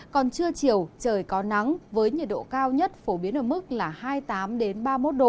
còn trưa chiều trời có nắng với nhiệt độ cao nhất phổ biến ở mức là hai mươi tám ba mươi một độ